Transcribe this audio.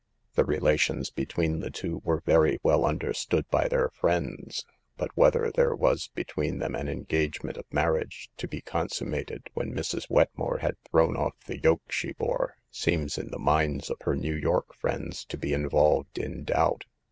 The relations between the two were very well understood by their friends, but whether there was between them an engagement of marriage to be consum mated when Mrs. Wetmore had thrown off the yoke she bore, seems in the minds of her New York friends to be involved in doubt.